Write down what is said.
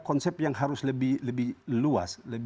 konsep yang harus lebih luas